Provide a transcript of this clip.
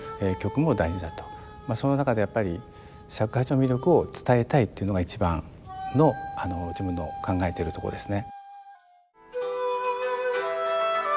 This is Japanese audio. その中でやっぱり尺八の魅力を伝えたいっていうのが一番の自分の考えてるとこですね。